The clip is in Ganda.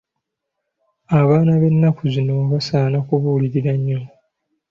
Abaana b'ennaku zino basaana kubuulirira nnyo.